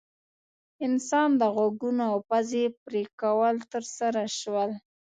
انسان د غوږونو او پزې پرې کول ترسره شول.